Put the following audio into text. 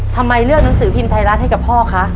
ทำไมเลือกหนังสือพิมพ์ไทยรัฐให้กับพ่อคะ